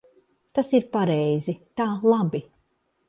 Tas ir pareizi. Tā labi.